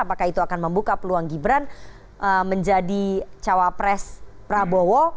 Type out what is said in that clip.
apakah itu akan membuka peluang gibran menjadi cawapres prabowo